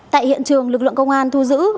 tại hiện trường lực lượng công an thu giữ